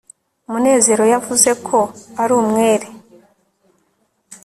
munezero yavuze ko ari umwere